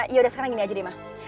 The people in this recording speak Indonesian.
yaudah sekarang gini aja deh ma